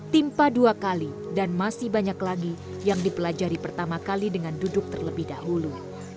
timpa dua kali dan masih banyak lagi yang dipelajari pertama kali dengan duduk terlebih dahulu